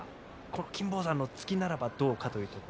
金峰山の突きならばどうかというところ。